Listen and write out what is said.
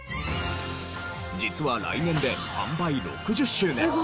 実は来年で販売６０周年。